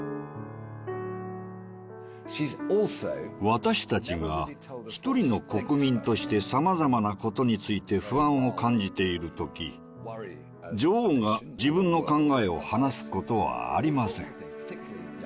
私たちが１人の国民としてさまざまなことについて不安を感じている時女王が自分の考えを話すことはありません。